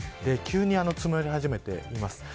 急に積もり始めています。